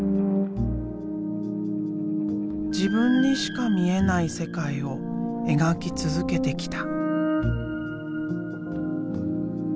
自分にしか見えない世界を描き続けてきた。